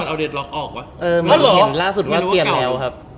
เอาเดทล็อกออกป่ะเออมันเห็นล่าสุดว่าเปลี่ยนแล้วครับ